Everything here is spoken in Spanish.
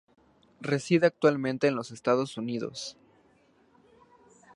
Reside actualmente en los Estados Unidos.